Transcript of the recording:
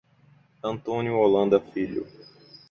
Antônio Holanda Filho